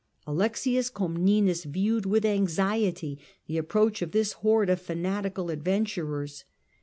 Alexius Comnenus viewed with anxiety the approach of this horde of fanatical adven turers.